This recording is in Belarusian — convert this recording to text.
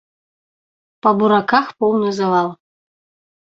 Па бураках поўны завал.